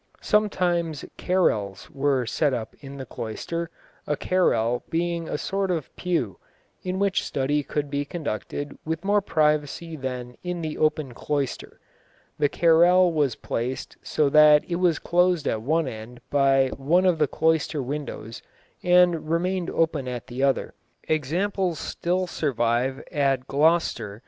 Sometimes carrells were set up in the cloister, a carrell being a sort of pew, in which study could be conducted with more privacy than in the open cloister. The carrell was placed so that it was closed at one end by one of the cloister windows and remained open at the other. Examples still survive at Gloucester.